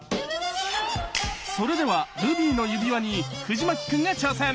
それでは「ルビーの指環」に藤牧くんが挑戦！